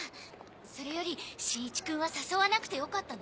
それより新一君は誘わなくてよかったの？